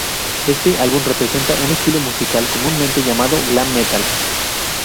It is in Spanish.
Este álbum representa un estilo musical comúnmente llamado glam metal.